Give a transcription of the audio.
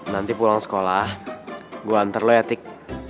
nanti pulang sekolah gue anter lo ya tik